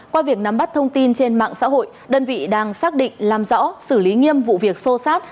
qua việc nắm bắt thông tin trên mạng xã hội đơn vị đang xác định làm rõ xử lý nghiêm vụ việc xô xát